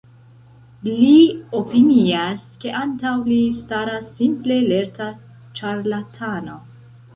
Li opinias, ke antaŭ li staras simple lerta ĉarlatano.